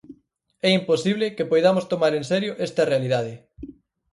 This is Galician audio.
É imposible que poidamos tomar en serio esta realidade.